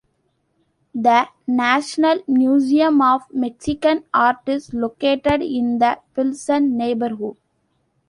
The National Museum of Mexican Art is located in the Pilsen neighborhood.